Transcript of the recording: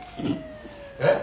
えっ？